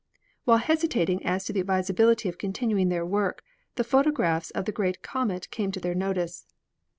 While hesitating as to the advisability of continuing their work, the photographs of the great comet came to their notice.